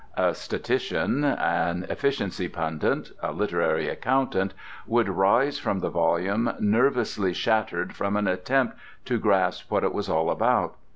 A statistician, an efficiency pundit, a literary accountant, would rise from the volume nervously shattered from an attempt to grasp what it was all about.